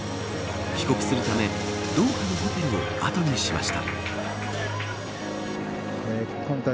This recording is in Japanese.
帰国するため、ドーハのホテルを後にしました。